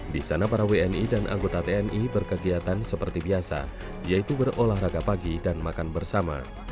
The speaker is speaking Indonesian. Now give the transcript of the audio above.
di sana para wni dan anggota tni berkegiatan seperti biasa yaitu berolahraga pagi dan makan bersama